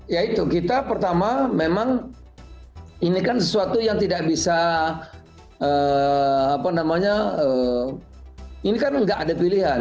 ya itu kita pertama memang ini kan sesuatu yang tidak bisa apa namanya ini kan nggak ada pilihan